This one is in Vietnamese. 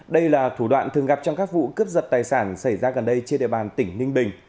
đây là thủ đoạn thường gặp trong các vụ cướp giật tài sản xảy ra gần đây trên địa bàn tỉnh ninh bình